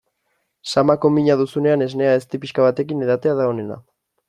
Samako mina duzunean esnea ezti pixka batekin edatea da onena.